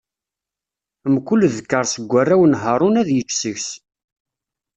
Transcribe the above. Mkul ddkeṛ seg warraw n Haṛun ad yečč seg-s.